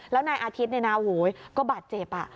แล้วนายอาทิตย์ในน้าหูยก็บาดเจ็บ